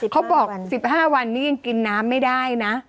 ๑๕วันนี้ยังกินน้ำไม่ได้นะ